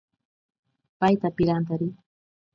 Paita pirantari.